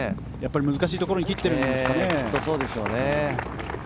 難しいところに切ってるんですかね。